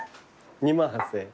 ２万８，０００円。